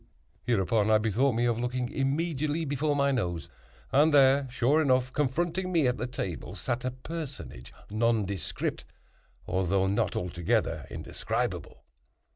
Hereupon I bethought me of looking immediately before my nose, and there, sure enough, confronting me at the table sat a personage nondescript, although not altogether indescribable.